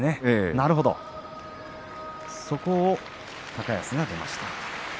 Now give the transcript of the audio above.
なるほど、そこを高安が出ました。